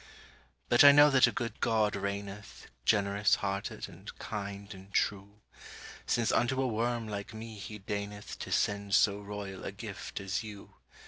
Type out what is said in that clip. But I know that a good God reigneth, Generous hearted and kind and true; Since unto a worm like me he deigneth To send so royal a gift as you.